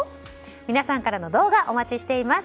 皆さんからの動画お待ちしています。